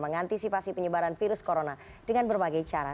mengantisipasi penyebaran virus corona dengan berbagai cara